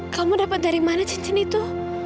kamu dapat dari mana cincin itu